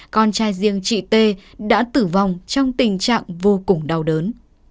con trai riêng chị t đã tử vong trong tình trạng vô cùng đau đớn